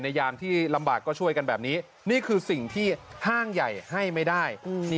ในยามที่ลำบากก็ช่วยกันแบบนี้